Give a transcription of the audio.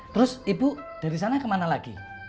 terus ibu dari sana kemana lagi